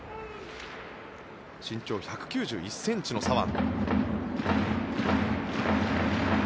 身長１９１ｃｍの左腕。